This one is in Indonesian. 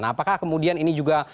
apakah kemudian ini juga